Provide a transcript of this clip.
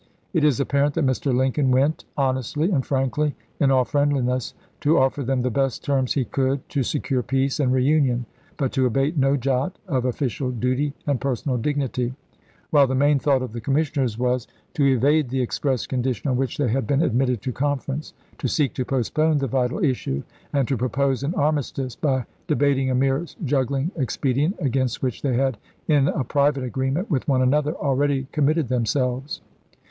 It is apparent that Mr. Lincoln went, honestly and frankly in all friendliness, to offer them the best terms he could to secure peace and reunion, but to abate no jot of official duty and personal dignity ; while the main thought of the commissioners was to evade the express condition on which they had been admitted to conference ; to seek to postpone the vital issue ; and to propose an armistice, by debating a mere juggling expedient, against which they had in a private agreement with one another already committed themselves.